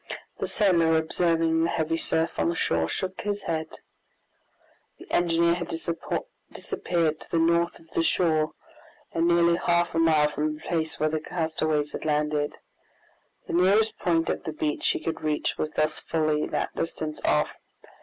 The sailor, observing the heavy surf on the shore, shook his head. The engineer had disappeared to the north of the shore, and nearly half a mile from the place where the castaways had landed. The nearest point of the beach he could reach was thus fully that distance off.